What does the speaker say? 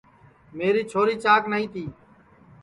میری چھوری چاک نائی تی